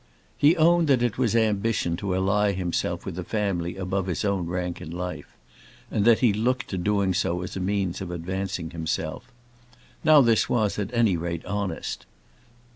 He owned that it was ambition to ally himself with a family above his own rank in life, and that he looked to doing so as a means of advancing himself. Now this was at any rate honest.